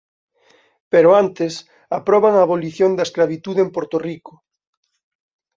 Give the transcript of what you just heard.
Pero antes aproban a abolición da escravitude en Porto Rico.